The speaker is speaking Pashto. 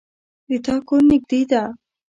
د تا کور نږدې ده